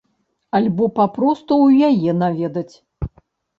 Альбо папросту ў яе наведаць.